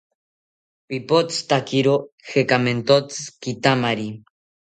Pipothotakiro jekamentotzi kitamari